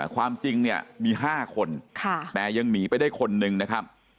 ความจริงเนี่ยมี๕คนแต่ยังหนีไปได้คนนึงนะครับ